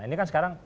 ini kan sekarang